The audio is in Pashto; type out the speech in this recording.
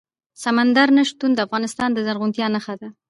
سمندر نه شتون د افغانستان د زرغونتیا نښه ده.